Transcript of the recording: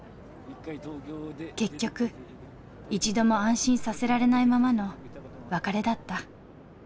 結局一度も安心させられないままの別れだった。